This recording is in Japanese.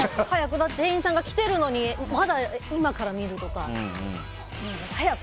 だって店員さんが来てるのにまだ今から見るとか早く！